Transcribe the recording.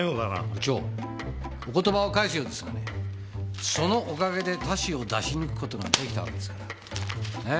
部長お言葉を返すようですがそのお陰で他紙を出し抜く事ができたわけですから。ね？